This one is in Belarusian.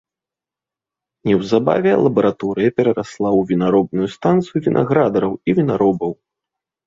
Неўзабаве лабараторыя перарасла ў вінаробную станцыю вінаградараў і вінаробаў.